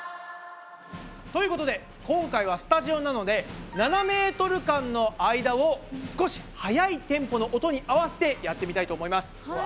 ということで今回はスタジオなので７ｍ間の間を少し速いテンポの音に合わせてやってみたいと思います。